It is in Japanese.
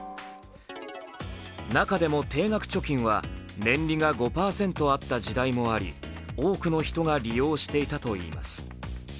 中でも定額貯金は、年利が５％あった時代もあり多くの人が利用していたといいます。